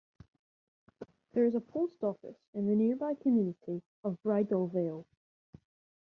There is a post office in the nearby community of Bridal Veil.